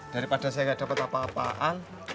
daripada saya gak dapat apa apaan